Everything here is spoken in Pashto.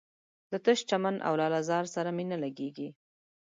له تش چمن او لاله زار سره مي نه لګیږي